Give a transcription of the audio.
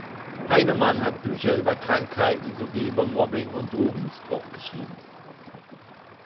Heinemann hat Bücher über Krankheiten sowie über Mobbing und Drogenmissbrauch geschrieben.